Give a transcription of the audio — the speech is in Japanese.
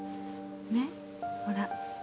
ねっほら。